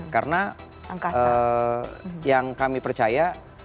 karena yang kami percaya